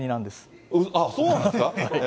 あ、そうなんですか？